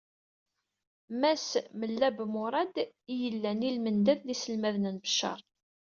Mass Mellab Murad i yellan i lmendad n yiselmaden n Beccar.